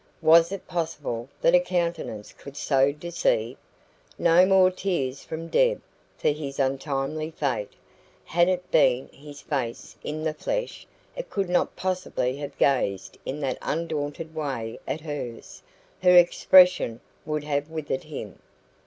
Was it possible that a countenance could so deceive? No more tears from Deb for his untimely fate. Had it been his face in the flesh, it could not possibly have gazed in that undaunted way at hers; her expression would have withered him.